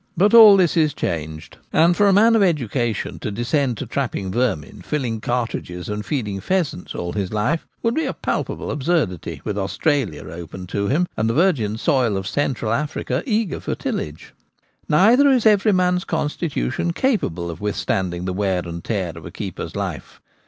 But all this is changed. The Woods in Winter. 41 And for a man of education to descend to trapping vermin, filling cartridges, and feeding pheasants all his life would be a palpable absurdity with Australia open to him and the virgin soil of Central Africa eager for tillage. Neither is every man's constitution capable of withstanding the wear and tear of a keeper's life.